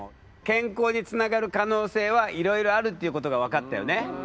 健康につながる可能性はいろいろあるっていうことが分かったよね？